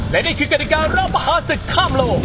และนี่คือกฎิการรับมหาศึกข้ามโลก